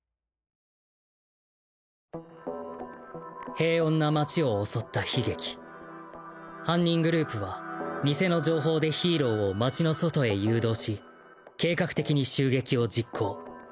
平穏な街を襲った悲劇犯人グループは偽の情報でヒーローを街の外へ誘導し計画的に襲撃を実行